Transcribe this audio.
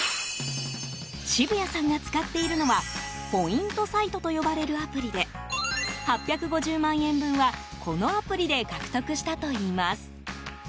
渋谷さんが使っているのはポイントサイトと呼ばれるアプリで８５０万円分は、このアプリで獲得したといいます。